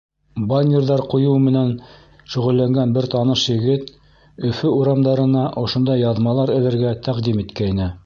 Баннерҙар ҡуйыу менән шөғөлләнгән бер таныш егет Өфө урамдарына ошондай яҙмалар элергә тәҡдим иткәйне.